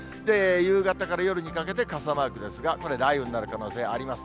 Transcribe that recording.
夕方から夜にかけて傘マークですが、これ、雷雨になる可能性あります。